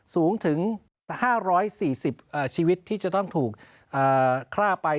สูงถึง๕๔๐ชีวิตที่จะต้องถูกฆ่าไป